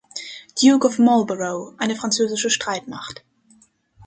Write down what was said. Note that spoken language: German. Duke of Marlborough, eine französische Streitmacht.